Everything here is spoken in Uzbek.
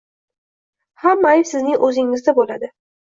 Hamma ayb sizning o‘zingizda bo‘ladi.